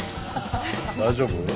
大丈夫？